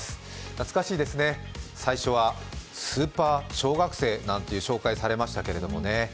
懐かしいですね、最初はスーパー小学生なんて紹介されましたけれどもね。